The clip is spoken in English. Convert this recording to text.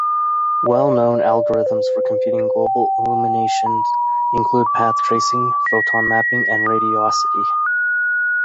Well known algorithms for computing global illumination include path tracing, photon mapping and radiosity.